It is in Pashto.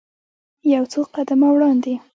یو څو قدمه وړاندې.